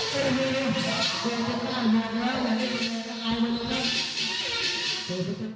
ปิด